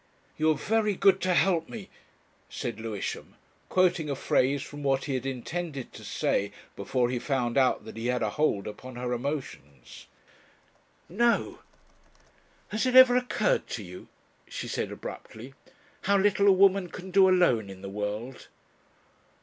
"You are very good to help me," said Lewisham, quoting a phrase from what he had intended to say before he found out that he had a hold upon her emotions. "No! "Has it ever occurred to you," she said abruptly, "how little a woman can do alone in the world?"